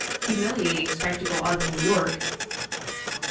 Humiliating Spectacle of New York.